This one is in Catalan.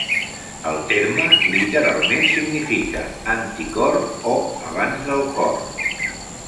El terme literalment significa "anti-cor" o "abans del cor".